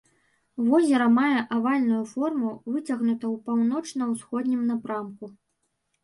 Возера мае авальную форму, выцягнута ў паўночна-ўсходнім напрамку.